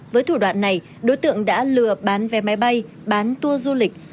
với thủ đoạn này đối tượng đã lừa bán vé máy bay bán tour du lịch